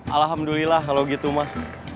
alhamdulillah kalau gitu mah